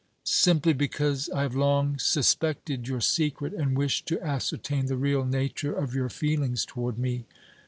"Simply because I have long suspected your secret and wished to ascertain the real nature of your feelings toward me.